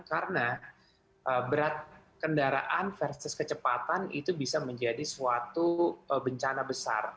karena berat kendaraan versus kecepatan itu bisa menjadi suatu bencana besar